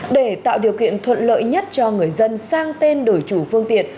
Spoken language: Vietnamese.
để tạo điều kiện thuận lợi nhất cho người dân sang tên đổi chủ phương tiện